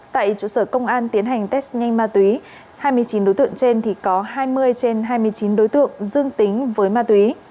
tại trụ sở công an tiến hành test nhanh ma túy hai mươi chín đối tượng trên thì có hai mươi trên hai mươi chín đối tượng dương tính với ma túy